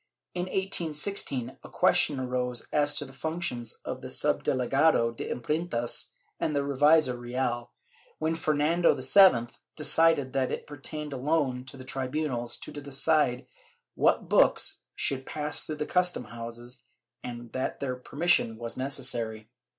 In 1816 a question arose as to the functions of the suhdelegado de Imprentas and the revisor Real, when Fernando VII decided that it pertained alone to the tribunals to decide what books should pass through the custom houses, and that their permission was necessary.